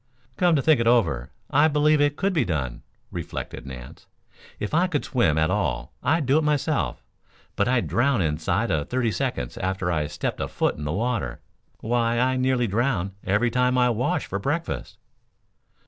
"Come to think it over, I believe it could be done," reflected Nance. "If I could swim at all I'd do it myself, but I'd drown inside of thirty seconds after I stepped a foot in the water. Why, I nearly drown every time I wash for breakfast."